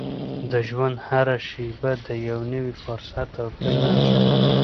د ژوند هره شېبه د یو نوي فرصت او پیل نښه ده.